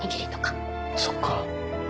そっか。